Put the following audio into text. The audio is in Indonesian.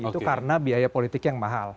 itu karena biaya politik yang mahal